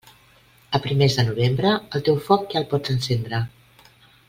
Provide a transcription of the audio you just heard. A primers de novembre, el teu foc ja el pots encendre.